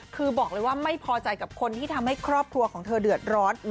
คือบอกเลยว่าไม่พอใจกับคนที่ทำให้ครอบครัวของเธอเดือดร้อน